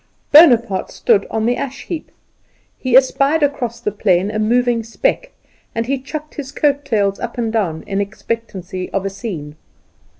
Bonaparte stood on the ash heap. He espied across the plain a moving speck and he chucked his coat tails up and down in expectancy of a scene.